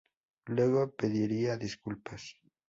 Luego pediría disculpas.